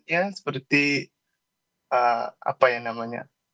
bahan bahannya seperti apa yang namanya